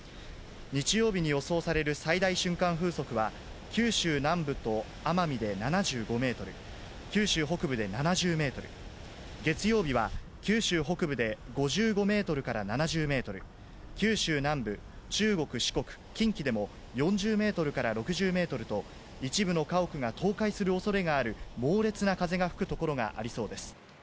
日曜日に予想される最大瞬間風速は、九州南部と奄美で７５メートル、九州北部で７０メートル、月曜日は九州北部で５５メートルから７０メートル、九州南部、中国、四国、近畿でも４０メートルから６０メートルと、一部の家屋が倒壊するおそれがある猛烈な風が吹く所がありそうです。